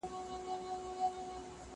زه پرون د سبا لپاره د سوالونو جواب ورکوم!